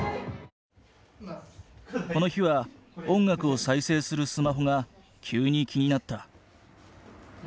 この日は音楽を再生するスマホが急に気になった。